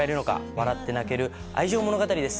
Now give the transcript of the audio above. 笑って泣ける愛情物語です。